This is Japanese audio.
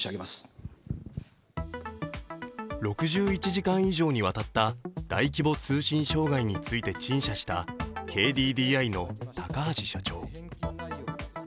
６１時間以上にわたった大規模通信障害について陳謝したＫＤＤＩの高橋社長。